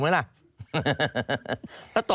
คุณครู